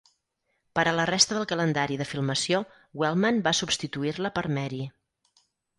Per a la resta del calendari de filmació, Wellman va substituir-la per Mary.